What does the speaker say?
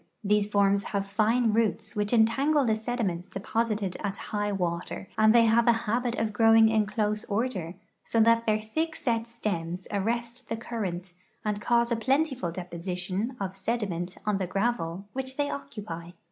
These forms have fine roots which entangle the sediments deposited at high water, and they have a habit of growing in close order, so that their thick set stems arrest the current and cause a plentiful deposition of sediment on the gravel which they occupy.